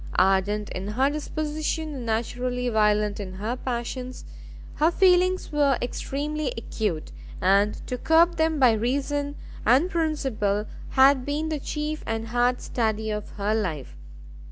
Ardent in her disposition, and naturally violent in her passions, her feelings were extremely acute, and to curb them by reason and principle had been the chief and hard study of her life.